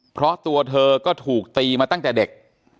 เพราะตัวเธอก็ถูกตีมาตั้งแต่เด็ก